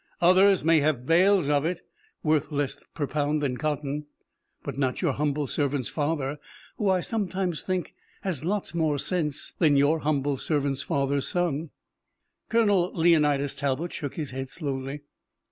Others may have bales of it, worth less per pound than cotton, but not your humble servant's father, who, I sometimes think, has lots more sense than your humble servant's father's son." Colonel Leonidas Talbot shook his head slowly.